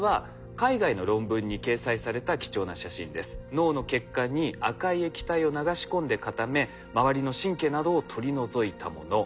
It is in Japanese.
脳の血管に赤い液体を流し込んで固め周りの神経などを取り除いたもの。